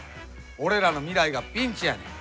俺らの未来がピンチやねん。